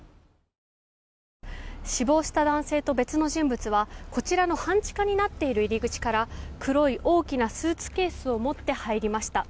死亡した男性と別の人物はこちらの半地下になっている入り口から黒い大きなスーツケースを持って入りました。